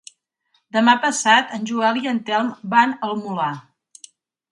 Demà passat en Joel i en Telm van al Molar.